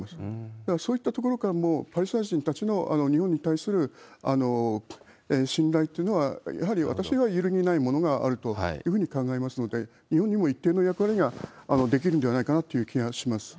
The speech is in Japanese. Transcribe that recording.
だから、そういったところからも、パレスチナ人たちの日本に対する信頼というのは、やはり、私は揺るぎないものがあるというふうに考えますので、日本にも一定の役割ができるんではないかなという気がします。